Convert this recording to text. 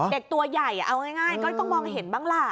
ตัวใหญ่เอาง่ายก็ต้องมองเห็นบ้างล่ะ